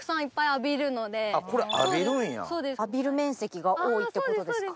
浴びる面積が多いってことですか？